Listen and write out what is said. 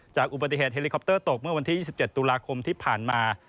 อุบัติเหตุเฮลิคอปเตอร์ตกเมื่อวันที่๒๗ตุลาคมที่ผ่านมา